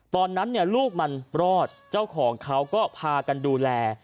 ตอนนั้นลูกมันรอดเจ้าของเขาก็พากันดูแล